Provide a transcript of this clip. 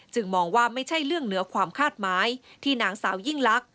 มองว่าไม่ใช่เรื่องเหนือความคาดหมายที่นางสาวยิ่งลักษ